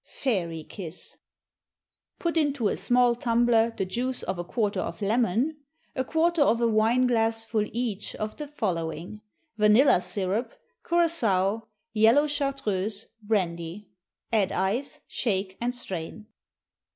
Fairy Kiss. Put into a small tumbler the juice of a quarter of lemon, a quarter of a wine glassful each of the following: Vanilla syrup, curaçoa, yellow chartreuse, brandy. Add ice, shake, and strain.